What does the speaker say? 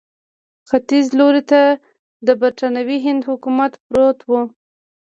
ختیځ لوري ته د برټانوي هند حکومت پروت وو.